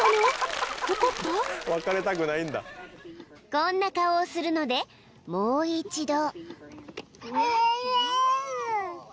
［こんな顔をするのでもう一度］